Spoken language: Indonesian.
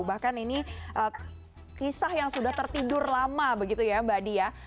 bahkan ini kisah yang sudah tertidur lama begitu ya mbak di ya